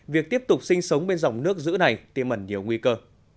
việc tiếp tục sinh sống bên dòng nước giữ này tiêm ẩn nhiều nguy cơ